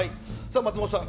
松本さん